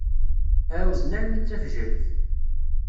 Ɛawzen armi d tafejrit.